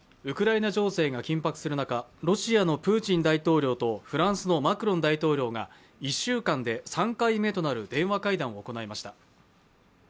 ウクライナ情勢が緊迫する中、ロシアのプーチン大統領とフランスのマクロン大統領が１週間で３回目となる電話会談を行いました。